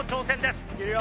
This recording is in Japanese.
いけるよ！